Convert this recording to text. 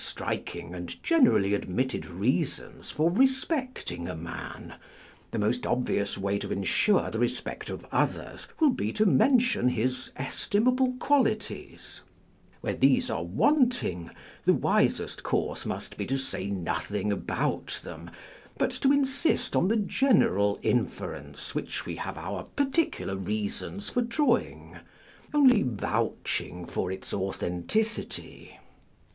striking and generally admitted reasons for respecting a man, the most obvious way to ensure the respect of others will be to mention his estimable qualities ; where these are wanting, the wisest course must be to say nothing about them, but to insist on the general inference which we have our particular reasons for drawing, only vouching for its authenticity.